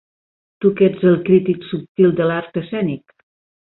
Tu que ets el crític subtil de l'art escènic